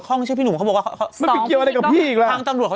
ข้องเชื่อบินบุร